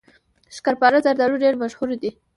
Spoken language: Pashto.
شکرپاره زردالو ډیر مشهور دي.